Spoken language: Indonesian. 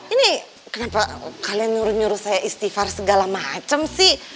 ini kenapa kalian nyuruh nyuruh saya istighfar segala macem sih